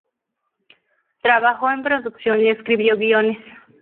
Trabajó en producción y escribió guiones.